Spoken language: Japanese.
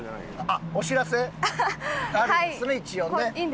あっお知らせがあるんですよね一応ね。